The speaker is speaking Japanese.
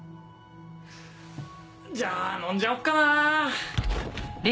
じゃあ飲んじゃおっかなぁ！